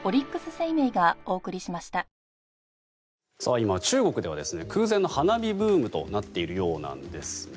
今、中国では空前の花見ブームとなっているようなんですね。